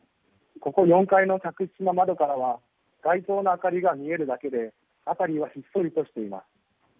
ここ４階の客室の窓からは街灯の明かりが見えるだけで辺りはひっそりとしています。